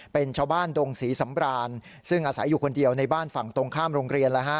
เป็นชาวบ้านดงศรีสำรานซึ่งอาศัยอยู่คนเดียวในบ้านฝั่งตรงข้ามโรงเรียน